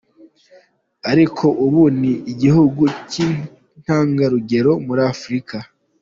Ariko ubu ni igihugu cy’intangarugero muri Afurika.